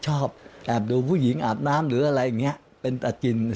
ชอบแอบดูผู้หญิงอาบน้ำหรืออะไรอย่างนี้เป็นตาจิน